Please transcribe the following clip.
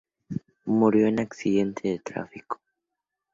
Murió en accidente de tráfico.